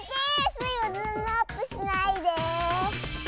スイをズームアップしないで！